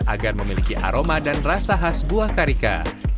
agar memiliki aroma dan rasa khas buah karika